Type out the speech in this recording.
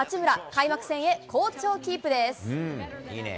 開幕戦へ、好調キープです。